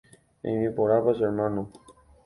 Eime porãpa che hermano.